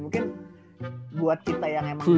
mungkin buat kita yang emang